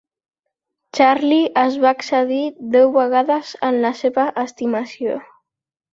Charlie es va excedir deu vegades en la seva estimació.